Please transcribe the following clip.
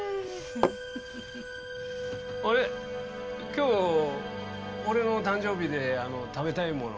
今日俺の誕生日で食べたいもの。